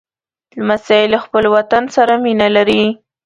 لمسی له خپل وطن سره مینه لري.